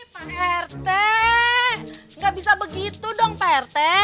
pak rt gak bisa begitu dong pak rt